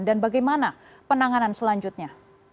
dan bagaimana penanganan selanjutnya